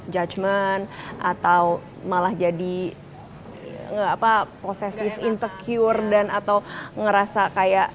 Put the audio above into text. judgment atau malah jadi possessive insecure dan atau ngerasa kayak